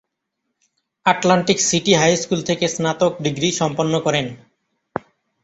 Atlantic City high school থেকে স্নাতক ডিগ্রী সম্পন্ন করেন।